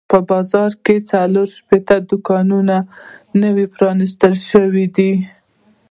په بازار کې څلور شپېته دوکانونه نوي پرانیستل شوي دي.